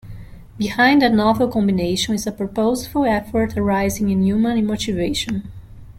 Behind that novel combination is a purposeful effort arising in human motivation.